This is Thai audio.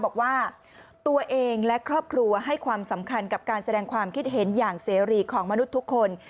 บอกว่าตัวเองและครอบครัวให้ความสำคัญกับการแสดงความคิดเห็นอย่างเสรีของมนุษย์ทุกคน